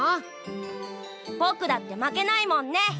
ぼくだって負けないもんね。